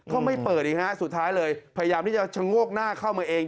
ก็ไม่เปิดอีกฮะสุดท้ายเลยพยายามที่จะชะโงกหน้าเข้ามาเอง